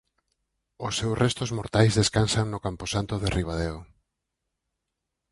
Os seus restos mortais descansan no camposanto de Ribadeo.